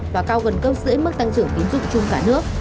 và cao gần gấp giữa mức tăng trưởng tiến dụng chung cả nước